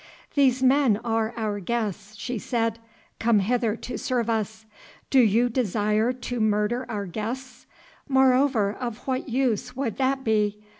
"These men are our guests," she said, "come hither to serve us. Do you desire to murder our guests? Moreover, of what use would that be?